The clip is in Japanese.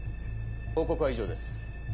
報告は以上です。